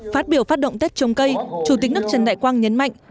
phát biểu phát động tết trồng cây chủ tịch nước trần đại quang nhấn mạnh